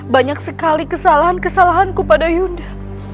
banyak sekali kesalahan kesalahanku pada yunda